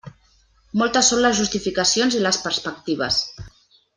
Moltes són les justificacions i les perspectives.